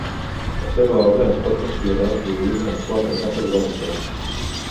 La seva obra es pot considerar dividida en quatre etapes bàsiques.